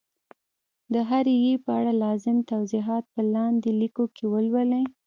د هري ي په اړه لازم توضیحات په لاندي لیکو کي ولولئ